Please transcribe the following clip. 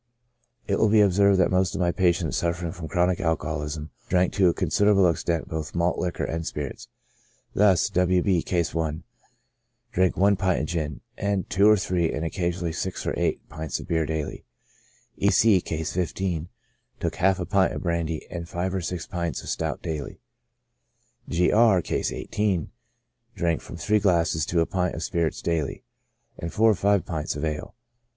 It w^ill be observed that most of my patients suffering from chronic alcoholism, drank to a considerable extent both malt liquor and spirits. Thus. W. B — (Case i) drank one pint of gin, and tvi^o or three, and occasionally six or eight, pints of beer daily. E. C — (Case 15) took half a pint of brandy and five or six pints of stout daily. G. R — (Case 18) drank from three glasses to a pint of spirits daily, and four or five pints of ale.